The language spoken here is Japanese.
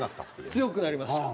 強くなりました。